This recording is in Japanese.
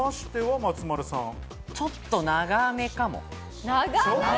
松丸さちょっと長めかも。